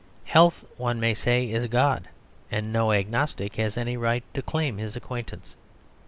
Health, one may say, is God; and no agnostic has any right to claim His acquaintance.